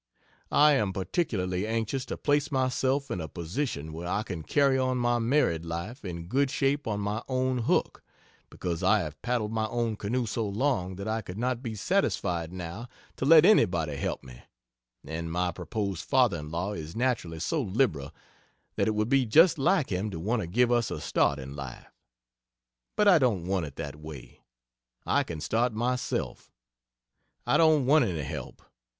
I am particularly anxious to place myself in a position where I can carry on my married life in good shape on my own hook, because I have paddled my own canoe so long that I could not be satisfied now to let anybody help me and my proposed father in law is naturally so liberal that it would be just like him to want to give us a start in life. But I don't want it that way. I can start myself. I don't want any help.